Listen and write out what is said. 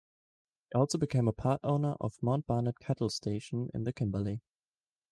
He also became a part owner of Mount Barnett cattle station in the Kimberley.